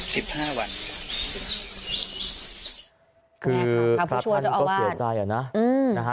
สุดแรกครับพระผู้ชัวร์จะเอาออก